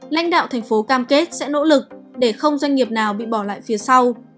lãnh đạo thành phố cam kết sẽ nỗ lực để không doanh nghiệp nào bị bỏ lại phía sau